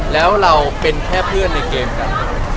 แล้วเราเป็นแค่เพื่อนในเกมการเมือง